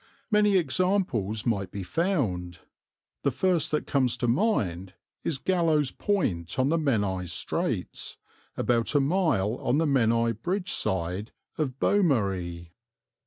Many examples might be found; the first that comes to mind is Gallows Point on the Menai Straits, about a mile on the Menai Bridge side of Beaumari.